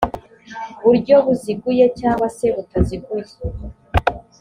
buryo buziguye cyangwa se butaziguye